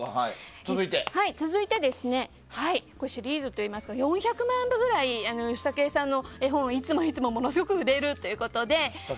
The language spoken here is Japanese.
続いて、シリーズといいますか４００万部くらいヨシタケさんの絵本、いつもものすごく売れるということで。